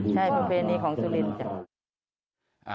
ใช่ประเพณีของสุรินทร์จ้ะ